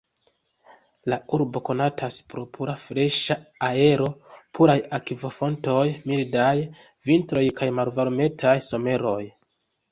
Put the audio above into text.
La urbo konatas pro pura freŝa aero, puraj akvofontoj, mildaj vintroj kaj malvarmetaj someroj.